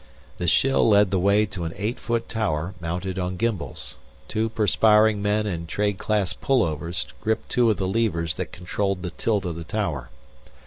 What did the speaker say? The shill led the way to an eight foot tower mounted on gimbals. Two perspiring men in trade class pullovers gripped two of the levers that controlled the tilt of the tower.